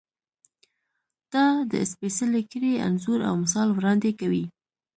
دا د سپېڅلې کړۍ انځور او مثال وړاندې کوي.